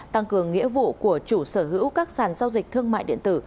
tăng cường nghĩa vụ của chủ sở hữu các sàn giao dịch thương mại điện tử